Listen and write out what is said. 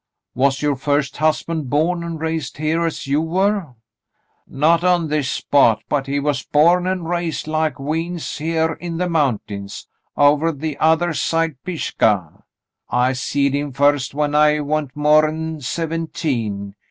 Was your first husband born and raised here as you were ?" "Not on this spot; but he was born an' raised like we uns here in the mountains — ovah th'other side Pisgah. I seed him first when I wa'n't more'n seventeen.